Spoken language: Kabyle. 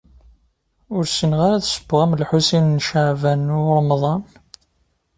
Ur ssineɣ ara ad ssewweɣ am Lḥusin n Caɛban u Ṛemḍan.